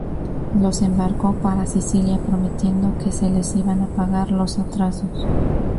Los embarcó para Sicilia prometiendo que se les iban a pagar los atrasos.